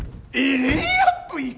レイアップいく？